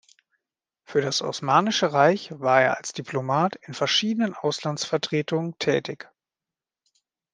Für das Osmanische Reich war er als Diplomat in verschiedenen Auslandsvertretungen tätig.